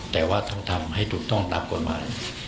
แต่ว่าต้องทำให้ถูกต้องตามกฎหมาย